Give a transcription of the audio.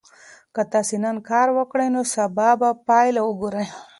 که تاسي نن کار وکړئ نو سبا به پایله وګورئ.